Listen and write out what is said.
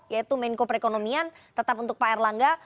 yaitu menko perekonomian tetap untuk pak erlangga